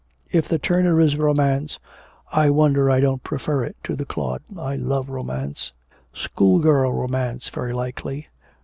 'If the Turner is romance, I wonder I don't prefer it to the Claude. I love romance.' 'School girl romance, very likely.'